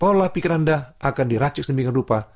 pola pikir anda akan diracik sedemikian rupa